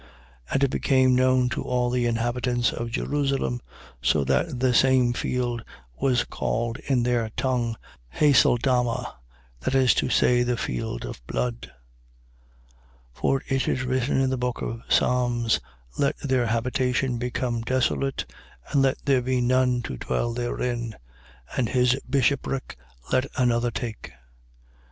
1:19. And it became known to all the inhabitants of Jerusalem: so that the same field was called in their tongue, Haceldama, that is to say, The field of blood. 1:20. For it is written in the book of Psalms: Let their habitation become desolate, and let there be none to dwell therein. And his bishopric let another take.